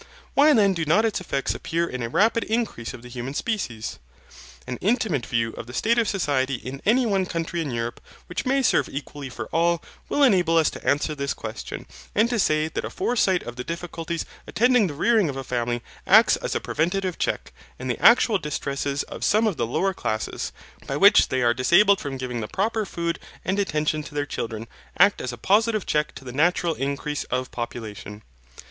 Why then do not its effects appear in a rapid increase of the human species? An intimate view of the state of society in any one country in Europe, which may serve equally for all, will enable us to answer this question, and to say that a foresight of the difficulties attending the rearing of a family acts as a preventive check, and the actual distresses of some of the lower classes, by which they are disabled from giving the proper food and attention to their children, act as a positive check to the natural increase of population.